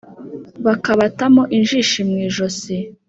Bakabatamo injishi mw'ijosi.